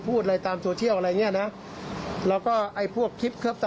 คุณแม่คงใส่จะแลกไว้หรือบอกบอกันไหม